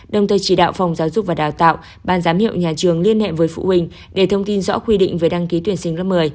đồng thời chỉ đạo phòng giáo dục và đào tạo ban giám hiệu nhà trường liên hệ với phụ huynh để thông tin rõ quy định về đăng ký tuyển sinh lớp một mươi